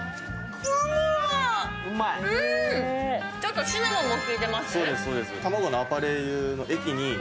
ちょっとシナモンも効いてます？